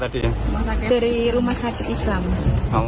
dari rumah sakit islam